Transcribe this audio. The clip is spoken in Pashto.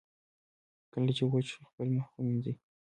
کله چې وچ شو، خپل مخ ومینځئ.